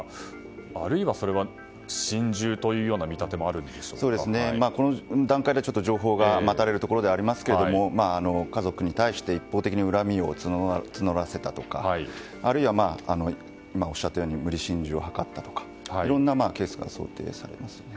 あるいは、それは心中というような見立てもこの段階では情報が待たれるところですが家族に対して一方的に恨みを募らせたとかあるいは、無理心中を図ったとかいろんなケースが想定されます。